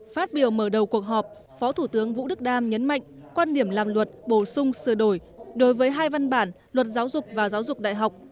phát biểu mở đầu cuộc họp phó thủ tướng vũ đức đam nhấn mạnh quan điểm làm luật bổ sung sửa đổi đối với hai văn bản luật giáo dục và giáo dục đại học